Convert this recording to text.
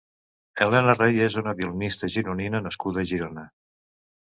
Elena Rey és una violinista gironina nascuda a Girona.